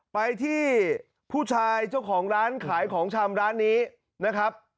ไปที่ผู้ชายเจ้าของร้านขายของชำร้านนี้นะครับ